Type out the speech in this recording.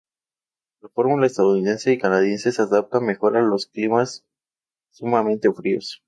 La fórmula estadounidense y canadiense se adapta mejor a los climas sumamente fríos.